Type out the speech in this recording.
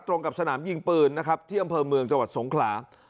ตรงกับสนามยิงปืนนะครับที่อำเภอเมืองจังหวัดสงขลา